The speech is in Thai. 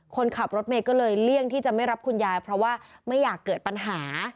คนขับรถเมย์ก็เลยเลี่ยงที่จะไม่รับคุณยายเพราะว่าไม่อยากเกิดปัญหา